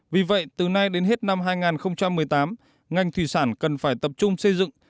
vì vậy từ nay đến hết năm hai nghìn một mươi tám ngành thủy sản cần phải tập trung xây dựng